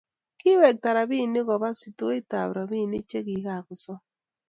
Kiwekta robinik koba sitoitab robinik chegigasom